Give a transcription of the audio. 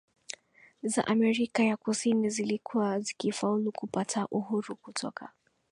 za Amerika ya Kusini zilikuwa zikifaulu kupata uhuru kutoka